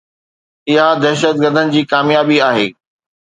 اها دهشتگردن جي ڪاميابي آهي.